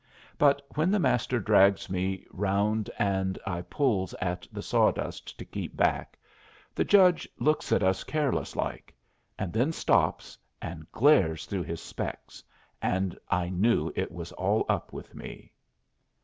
But when the Master drags me round and I pulls at the sawdust to keep back, the judge looks at us careless like, and then stops and glares through his specs, and I knew it was all up with me.